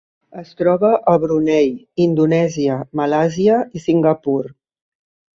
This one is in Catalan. Es troba a Brunei, Indonèsia, Malàisia i Singapur.